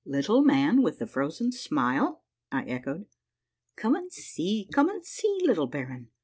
"Little Man with the Frozen Smile?" I echoed. " Come and see, come and see, little baron